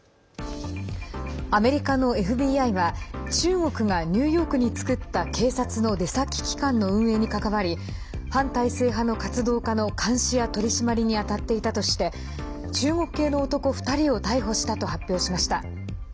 アメリカのＦＢＩは中国がニューヨークに作った警察の出先機関の運営に関わり反体制派の活動家の監視や取り締まりに当たっていたとして中国系の男２人を逮捕したと発表しました。